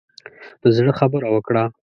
د زړه خبره وکړه.